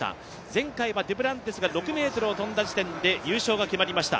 前回はデュプランティスが６ｍを跳んだ時点で優勝が決まりました。